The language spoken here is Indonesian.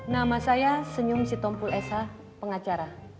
nama saya senyum sitompul esa pengacara